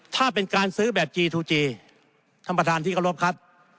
ถ้าเป็นการซื้อแบบจีทูจีท่านประธานที่เคารพครับ